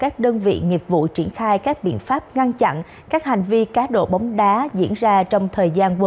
các đơn vị nghiệp vụ triển khai các biện pháp ngăn chặn các hành vi cá độ bóng đá diễn ra trong thời gian vừa